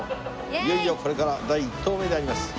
いよいよこれから第１投目であります。